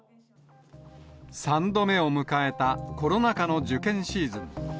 ３度目を迎えたコロナ禍の受験シーズン。